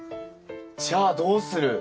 じゃあどうする。